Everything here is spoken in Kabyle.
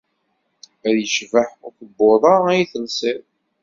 Ay yecbeḥ ukebbuḍ-a ay d-telsiḍ.